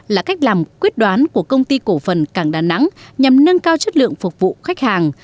là cách làm quyết đoán của công ty cổ phần cảng đà nẵng nhằm nâng cao chất lượng phục vụ khách hàng